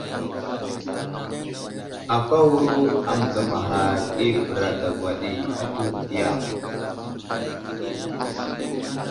Akáwuro a məgamaghar i bəra dagwa ɗi atu diya ?